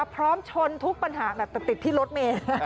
พร้อมชนทุกปัญหาแบบติดที่รถเมย์